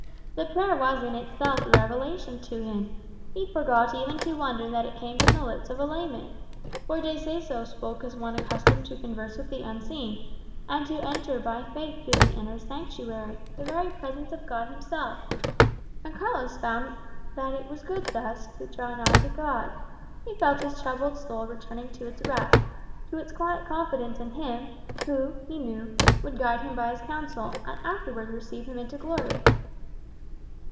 The prayer was in itself a revelation to him; he forgot even to wonder that it came from the lips of a layman. For De Seso spoke as one accustomed to converse with the Unseen, and to enter by faith to the inner sanctuary, the very presence of God himself. And Carlos found that it was good thus to draw nigh to God. He felt his troubled soul returning to its rest, to its quiet confidence in Him who, he knew, would guide him by his counsel, and afterwards receive him into glory.